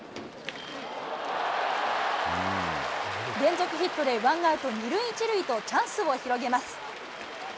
連続ヒットでワンアウト２塁１塁とチャンスを広げます。